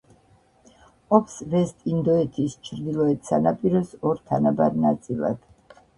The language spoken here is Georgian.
ყოფს ვესტ-ინდოეთის ჩრდილოეთ სანაპიროს ორ თანაბარ ნაწილად.